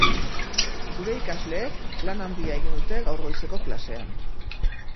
Gure ikasleek lan handia egin dute gaur goizeko klasean.